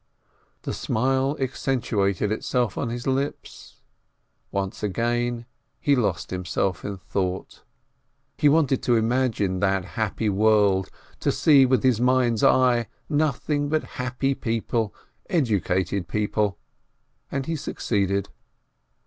The smile accentuated itself on his lips. Once again he lost himself in thought. He wanted to imagine that happy world, and see with his mind's eye nothing but happy people, educated people, and he succeeded.